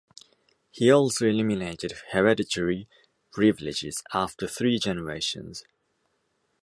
He also eliminated hereditary privileges after three generations.